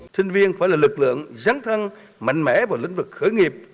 sinh viên phải là lực lượng giáng thăng mạnh mẽ vào lĩnh vực khởi nghiệp